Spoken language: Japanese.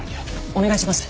お願いします。